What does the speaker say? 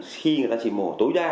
khi người ta chỉ mổ tối đa